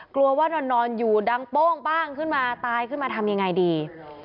กลัวว่านอนอยู่ดังโป้งป้างขึ้นมาตายขึ้นมาทำยังไงดี